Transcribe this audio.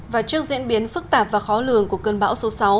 và trước diễn biến phức tạp và khó lường của cơn bão số sáu